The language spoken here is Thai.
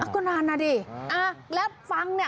ก็นานนะดิแล้วฟังเนี่ย